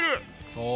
そう。